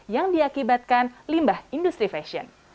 yang diakibatkan limbah industri fashion